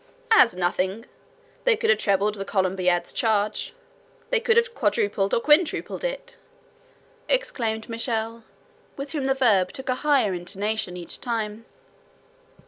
"As nothing. They could have trebled the Columbiad's charge; they could have quadrupled or quintupled it!" exclaimed Michel, with whom the verb took a higher intonation each time.